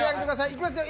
いきますよ